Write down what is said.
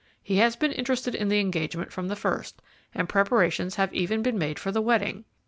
He has been interested in the engagement from the first, and preparations have even been made for the wedding.